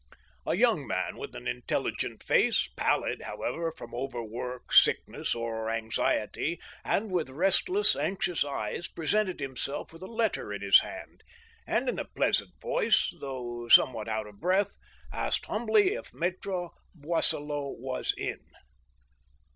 A young man with an intelligent face, pallid, however, from over work, sickness, or anxiety, and with restless, anxious eyes, presented himself with a letter in his hand, and, in a pleasant voice, though somewhat out of breath, asked humbly if Mattre Boisselot was in.